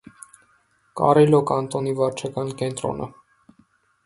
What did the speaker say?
Կառիլո կանտոնի վարչական կենտրոնը։